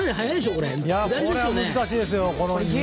これは難しいですよ。